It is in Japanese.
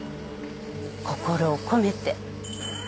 心を込めて。